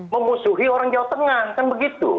memusuhi orang jawa tengah kan begitu